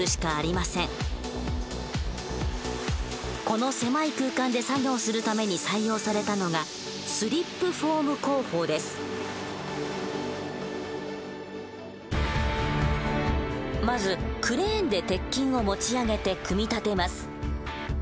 この狭い空間で作業するために採用されたのがまずクレーンで鉄筋を持ち上げて組み立てます。